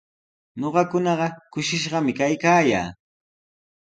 Ñuqakunaqa kushishqami kaykaayaa.